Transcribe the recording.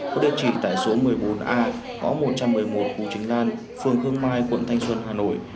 có địa chỉ tại số một mươi bốn a gõ một trăm một mươi một hù chính lan phường khương mai quận thanh xuân hà nội